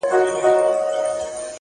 نور دې راته ښکاري د یارۍ له چارې ووتم